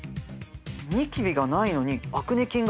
ニキビがないのにアクネ菌がいるんだ。